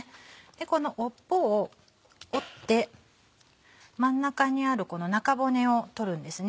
この尾っぽを折って真ん中にあるこの中骨を取るんですね。